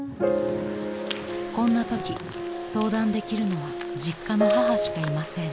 ［こんなとき相談できるのは実家の母しかいません］